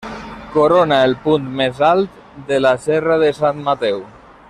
Corona el punt més alt de la serra de Sant Mateu.